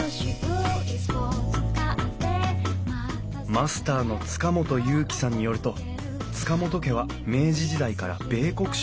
マスターの塚本勇喜さんによると塚本家は明治時代から米穀商を営んでいた。